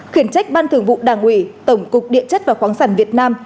khiển trách ban thường vụ đảng ủy tổng cục địa chất và khoáng sản việt nam